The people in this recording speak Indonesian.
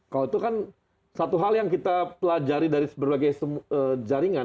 kalau itu kan satu hal yang kita pelajari dari berbagai jaringan